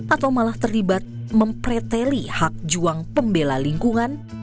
atau malah terlibat mempreteli hak juang pembela lingkungan